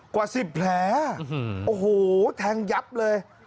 กว่า๑๐แผลโอ้โหแทงยับเลย